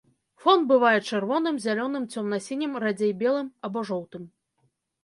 Фон бывае чырвоным, зялёным, цёмна-сінім, радзей белым або жоўтым.